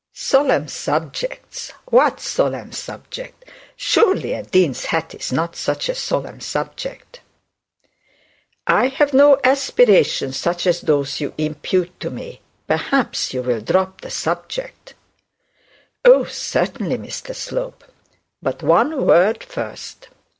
'Solemn subjects what solemn subjects? Surely a dean's hat is not such a solemn subject.' 'I have no aspirations such as those you impute to me. Perhaps you will drop the subject.' 'Oh, certainly, Mr Slope; but one word first.